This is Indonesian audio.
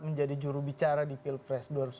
menjadi jurubicara di pilpres dua ribu sembilan belas